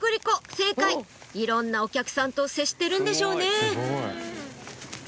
正解いろんなお客さんと接してるんでしょうね